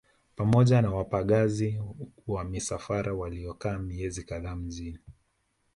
Pamoja na wapagazi wa misafara waliokaa miezi kadhaa mjini